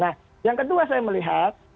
nah yang kedua saya melihat